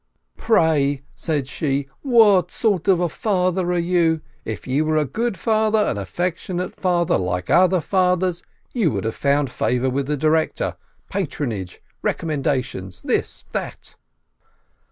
"Pray," said she, "what sort of a father are you? If you were a good father, an affectionate father, like other fathers, you would have found favor with the director, patronage, recommendations, this — that